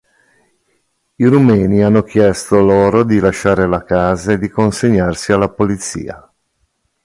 I rumeni hanno chiesto loro di lasciare la casa e di consegnarsi alla polizia.